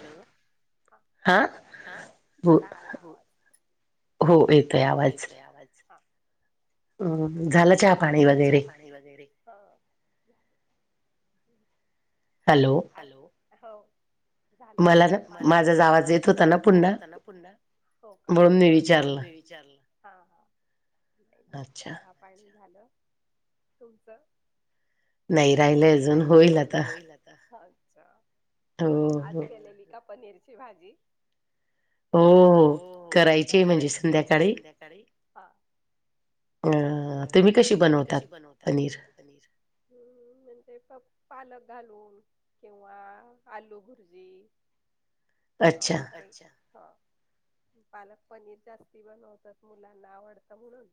Hello ह हा अ. हो एकेत आहे आवाज. ह झालं चहा पाणी वगैरे. हॅलो. झालं म्हटलं मला माझा, आवाज येत होता ना पुन्हा. हो का म्हणून मी, विचारलं ह ह नाही झालं च. पाणी झालं तुमचं. नाही राहिलं अजून होईल. अच्छा मग आज, केलेली का पनीरची भाजी. हो हो करायची, म्हणजे संध्याकाळी हा. अ तुम्ही कशी बनवतात पनीर. पनीर ह् न प पालक घालून. किंवा आलू भुर्जी किंवा मका हा पालक पनीर जास्ती बनवतात, मुलांना आवडतं म्हणून.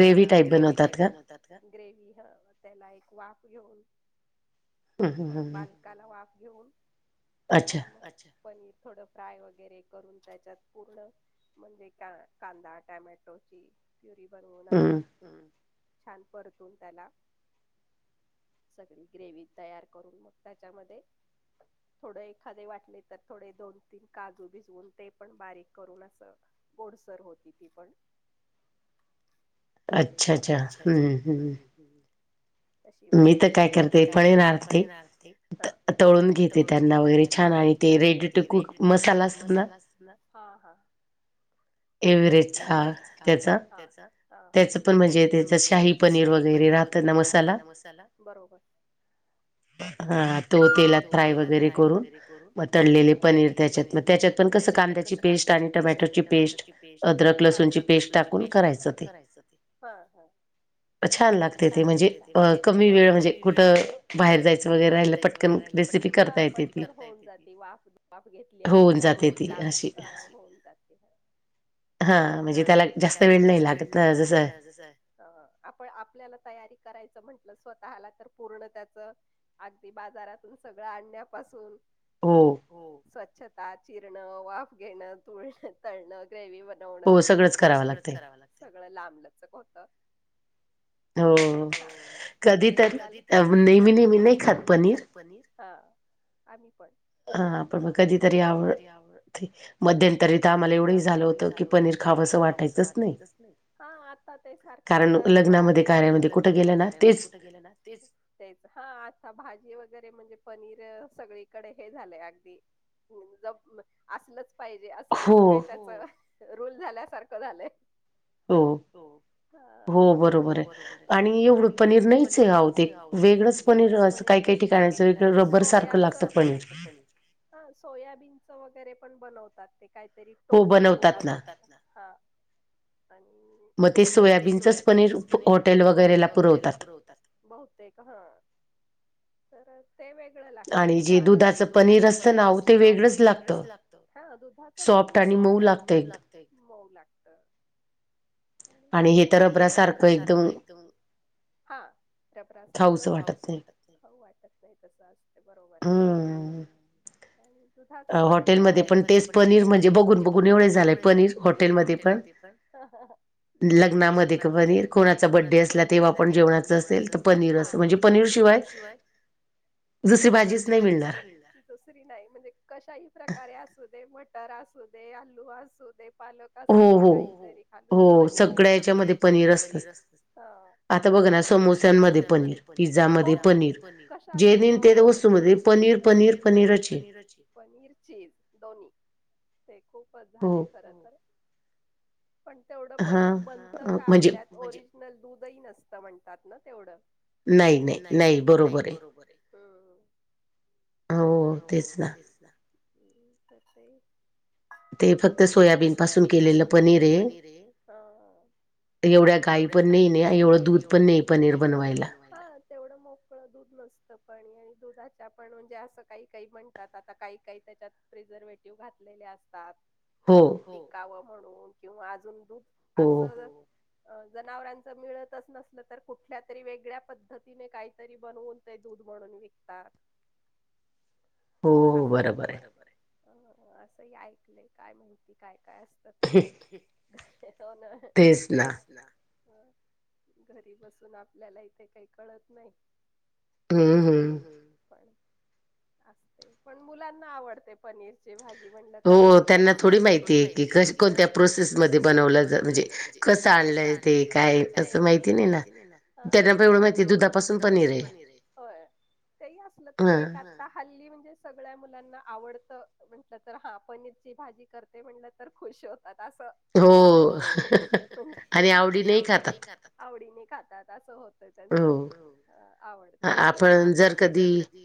हा हा ग्रेवी टाईप बनवतात. ग्रेवी हं त्याला मग एक वाफ घेऊन, हं पाल काला वाफ घेऊन अच्छा! म अच्छा पनीर थोडं फ्राय वगैरे करून त्याच्यात पूर्ण म्हणजे, का कांदा टॅमॅटोची प्युरी बनवून असं हम्, छान परतून त्याला सगळी ग्रेवी तयार करून मग त्याच्यामध्ये थोडं एखादे वाट ली तर थोडे दोन तीन काजू भिजवून ते पण बारीक करून असं गोडसर होती. ती पण अच्छा! अच्छा! हम्म हम् तशी बनवतो. मी तर काय करते फळी नारते तळून घेते. त्यांना वगैरे छान आणि ते रेडी टू कुक मसाला असतो ना? हा हा एव्हरेजचा ह्याचा हा हा त्याच पण म्हणजे त्याच शाही पनीर वगैरे राहतं ना मसाला? बरोबर हा तो तेलात फ्राय वगैरे करून तळलेले पनीर त्याच्यातन त्याच्यात पण कस कांद्याची पेस्ट आणि टमॅटोची पेस्ट अद्रक लसूणची पेस्ट टाकून करायचं ते हा हा म छान लागते ते म्हणजे कमी वेळ म्हणजे कुठं बाहेर जायचं व - बाहेर जायचं वगैरे राहिलं. पटकन रेसिपी करता येती. पटकन होऊन जाती ती वाफ वाफ घेतली आपली कायतरी होऊन जाती ती [unintelligible] हा होऊन जाती ती हा या हा म्हणजे त्याला जास्त वेळ नाही लागत हा जसं हं आपण आपल्याला तयारी करायचं, म्हंटलं स्वतःला तर पूर्ण त्याचं अगदी बाजारातून सगळं आणण्यापासून हो हो स्वच्छता, चिरणं वाफ घेणं तुळणं तळणं ग्रेवी बनवणं हो सगळंच करावं लागत, सगळं लांबलचक होतं पण हो कधी तरी [unintelligible] पनीर, हा आम्ही पण हा पण मग कधीतरी आवड मध्यंतरी तर आम्हाला एवढं हे झालं होतं कि पनीर खावसं वाटायचंच नाही हा आता ते सारखं आता खराब येतं कारण की लग्नामधे कार्यामधे कुठं कुठं गेलंना तेच तेच हा भाजी वगैरे म्हणजे पनीर सगळीकडे हे झालंय अगदी हं जप असलच पाहिजे असं जसं काही त्याच रूल झाल्यासारखं झालंय हो हो हो बरोबरय आणि एवढं पनीर नाहीचय आवो, ते वेगळंच पनीर नीर असं काय काय ठिकाणचं हा सोयाचं सारख रबर लागत पनीर हा सोयाबीनचं वगैरे पण बनवतात. ते काहीतरी टोफू म्हणतात. हो बनवतात ना हा आणि म्हणजे बर्‍याच ते सोयाबीनचंच पनीर हॉटेल वगैरेला पुरवतात बहुतेक हा तरं ते वेगळं लागतं दुधाचं जे दुधाचं पनीर असंना वो ते वेगळंच लागतं दुधा चं पनीर वेगळ साॅफ्ट आणि मऊ लागतं एक मऊ लागत हल्ली नाही. आणि हे तर रबरा सारखं एकदम हा रबरा सारखं खावूस वाटत नाही, खावु वाटत नाही तसं अस बरोबरय, हं दुधाच पण हॉटेलमध्ये पण तेच पनीर म्हणजे, बघून बघून एवढं झालंय पनीर हॉटेलमध्ये पण ह ह ह. [inaudible] लग्नामध्ये पनीर कोणाचा बडडे असला तेव्हापण जेवणाच असेल तर पनीर अस म्हणजे पनीर शिवाय दुसरी भाजीच नाही मिळणार. नाही म्हणजे कशाही प्रकारे असू दे मटर असू दे आलू असू दे पालक. स काही खाल प हो सगळ्याच्या मध्ये पनीर असत. आता बघ ना समोस्यांमध्ये पनीर पिझ्झा मध्ये पनीर ते वस्तू मध्ये पनीर पनीर पनीरचे. पनीर चीज दोननी ते खूपच झाले खर तर. पण तेवढं पनीर बनतं का आपल्यात ओरिजिनल दूधही नसतं म्हणतात ना तेवढं नाही नाही नाही बरोबर आहे. हो तेच ना् तस आहे [unintelligible] ते फक्त सोयाबीन पासून केलेलं पनीर आहे. एवढ्या गाई पण नाही नाही, एवढं दूध पण नाही पनीर बनवायला. तेवढं मोकळं दूध नसतं पण दुधाच्या पण म्हणजे, असं काही काही म्हणतात, आता काही काही त्याच्यात. प्रिझर्वेटिव्ह घातलेले असतात. दूध टकावं म्हणून किंवा अजून दूध असं. अ जनावरांच मिळतच नसलं तर कुठल्या तरी वेगळ्या पद्ध पद्धतीने काहीतरी बनवून ते दूध म्हणून विकतात. हा नाही हो बरोबर आहे. अ असंही ऐकले काय माहिती काय काय असतं तेन. तेच ना घरी बसून आपल्याला इथे काही. कळत नाही हम्म हम् पण. असते पण मुलांना आवडते. पनीर भाजी म्हणलं तर हो त्यांना थोडी माहितीय की क कोणत्या प्रोसेसमध्ये बनवलं. म्हणजे कस आणलं ते काय असं माहिती नाही ना. त्यांना एवढं माहितीय दुधापासून पनीर आहे हो काही असलं तरी एक आता. खाल्ली म्हणजे सगळ्या मुलांना आवडत म्हट तर हा पनीरची भाजी कर. ते म्हणलं तर खुश होतात असं. हो अ आवडी नाही ख आवडी नाही खातात असं होत. आवड खातो आपन जर कधी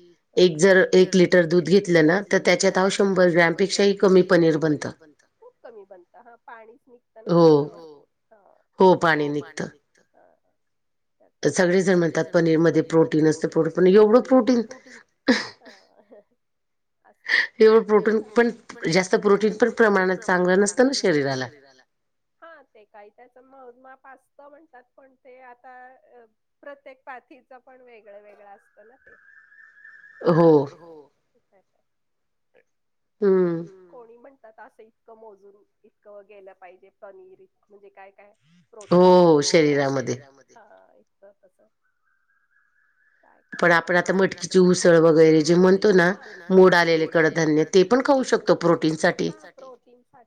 जर एक लिटर दूध घेतलं ना तर त्याच्यात हव शंभर ग्रॅमपेक्षाही कमी पनीर बनतं. खूप कमी बनत हा पाणीच निघत ना त्याचा भरपूर हा हो पाणी निघत. पाणी निघत. त्या सगळे जण म्हणतात पनीरमध्येध्ये प्रोटीन असते एवढं प्रोटीन. [unintelligible] असत तेव प्रोटीन पण जास्त प्रोटीन पण प्रमाणात चांगलं नसतं ना शरीराला. हा ते काही त्याच म माप असत म्हणतात पण ते आता. अ प्रत्येक पाथीच पण वेगळं वेगळं असतं ना ते होय. कोणी म्हणतात असंही. इतकं मोजून इतकं गेलं पाहिजे पनीर म्हणजे काय काय? प्रोटीन शरीरामध्ये तस काय काय पण आपण आता मटकीची उसळ वगैरे जे म्हणतो ना मोड आलेले कडधान्य ते पण ऊ शकतो प्रोटीन साठी. सा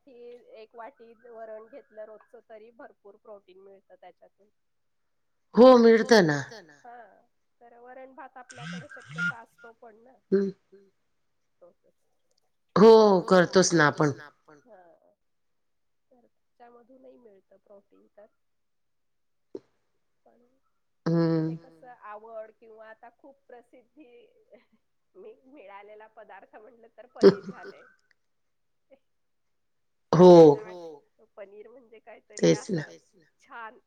एक वाटी वरण घेतलं रोजचो तरी भरपूर प्रोटीन मिळतं त्याच्यातून हो मिळत ना. तर वरण भात आपल्याकडे शक्यता असतो पण ना. ह् हो हो करतोच ना आपण. तर त्याच्यामधून नाही मिळतं प्रोटीन तर पण. ते कस आवड. किंवा आता खूप प्रसिद्धी मी मिळालेला पदार्थ म्हटल. तर पनीर झालंय सगळ्यांना पनीर म्हणजे काहीतरी अस छान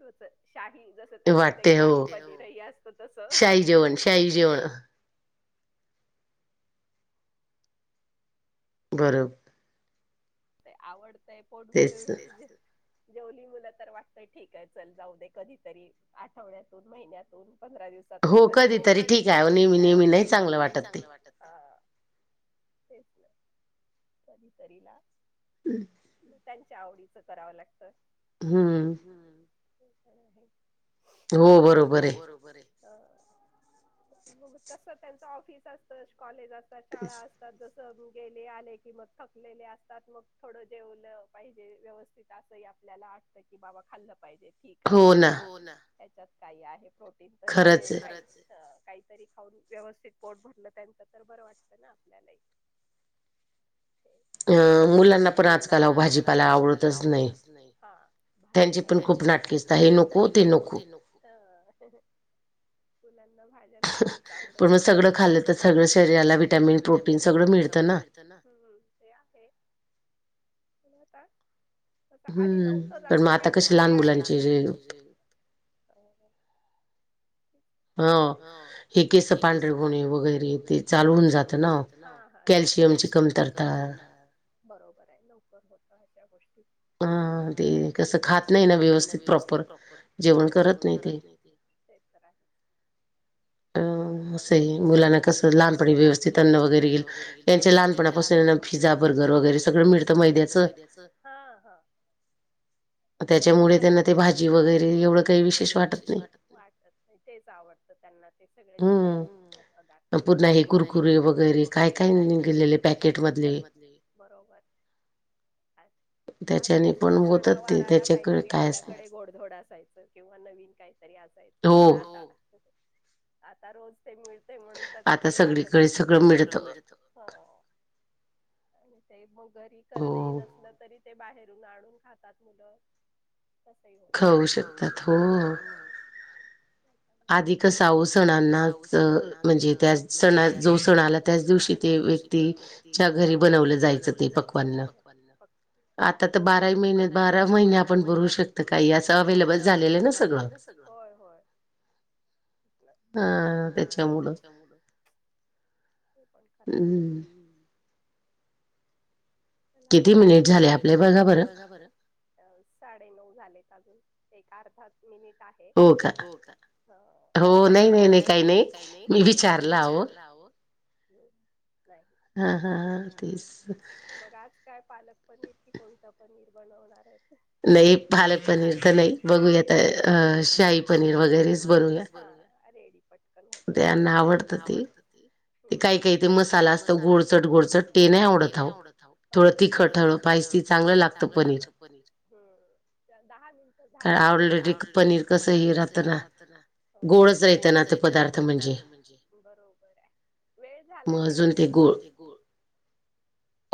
तच शाही जस त्याच्यात एक असत तस बरं आवडतंय पोट भर जेवली मुलं तर वाटतय ठीक आहे चल जाऊ दे कधीतरी आठवड्यातून महिन्यातून पंधरा दिवस हो कधी तरी ठीक आहे नेहमी नेहमी नाही चांगलं वाटत तेचलं सरी सरीला हम् त्यांच्या आवडीचं करावं लागतं हम्म हम्म हो बरोबर आहे अ मग कस त्यांचं ऑफिस असत कॉलेज असतात शाळा असत जस गेले आले कि मग थकलेले असतात मग थोड जेवलं पाहिजे व्यवस्थित असंही आपल्याला वाटतं की बाबा खाल्लं पाहिजे ठीक आहे ख ना हच्यात काही आहे प्रोटीन तर हे खच काहीतरी खाऊन व्यवस्थित पोट भरलं त्यांच तर बरं वाटतं ना आपल्याला अ मुलांना पण आजकाल भाजीपाला आवडतच नाही. त्यांची पण खुप नाटके हे नको ते नको मुलांना भाज्या नाही पण मग सगळं खाललं तर सगळं शरीराला विटॅमिन प्रोटीन सगळं मिळतं ना हम् ते आहे होता आधी नव्हतं असं काही लहान मुलांची हो ह हे केस पांढरे होणे वगैरे ते चालु होवून जात कॅल्शियमची कमतरता बरोबर आहे लवकर होत ह्या गोष्टी हा ते कसं खात नाही ना व्यवस्थित प्रॉपर जेवण करत नाही ते तेच तर आहे ह [unintelligible] मुलाना कस लहानपणी व्यवस्थित अन्न वगैरे गेल त्यांचे लहानपणापासून पिझा बर्गर वगैरे सगळं मिळतं मैद्याच त्याच्यामुळे त्यांना ते भाजी वगैरे एवढं काही विशेष वाटत नाही तेच आवडतं त्यांना ते सगळे तसेच पदार्थ पुन्हा हे कुरकुरे वगैरे काय काय निगलेले पॅकेट मधले बरोबर अ आधी अस सणावाराला काहीतरी आपल्याकडे गोडधोड असायचं किंवा नवीन काहीतरी असायचं पण आता आता रोज ते मिळते म्हणून त्याच काही वाट सगळीकडे सगळं मिळत हो आणि ते बघ घरी करणंही नसलं तरी ते बाहेरून आणून खातात मुलं होत खाऊ शकतात हो अधिकच हाऊस सणांना म्हणजे त्या सणा जो सण आला त्याच दिवशी ते व्यक्ती च्या घरी बनवलं जायचं ते पक्वान्न आता तर बाराही महिन्यात बारा महिने आपण बनवु शकत काही असं अव्हेलेबल झालेलं आहे ना सगळं होय होय ह तेच्या मुळ ब [unintelligible] ते पण खर आहे. हम चला मग किती मिनिट झाले आपले बघा बरं? अ साडे नऊ झालेत अजून एक अर्धा मिनिट आहे. हो का हो नाही नाही नाही काही नाही मी विचारलं आहो. हम् नाही. हा हा हा तेच, आज काय पालक पनीर कि कोणतं पनीर बनवणार आहे? नाही. पालक पनीर तर नाही बघूयात अ शाही पनीर वगैरेच बनवुया. अरे इकडे काय रेडी पट- नव्हतं बरोबर. त्यांना आवडत ते काही काही ते मसाला असत गोड गोडचट ते नाही आवडत. थोडं तिखट हळू पायसी चांगलं लागत पनीर. दहा मिनिट झालेय. ऑलरेडी पनीर कसं हे राहत ना. हो. गोडसर येत ना. पदार्थ म्हणजे बरोबर आहे. वेळ झाला ठेवते मी हा.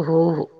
हो हो